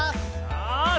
よし！